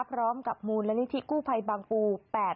พร้อมกับมูลนิธิกู้ภัยบางปู๘